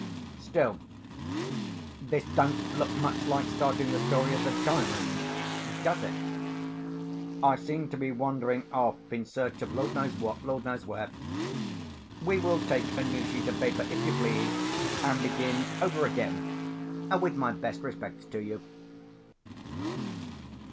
Still, this don't look much like starting the story of the Diamond—does it? I seem to be wandering off in search of Lord knows what, Lord knows where. We will take a new sheet of paper, if you please, and begin over again, with my best respects to you.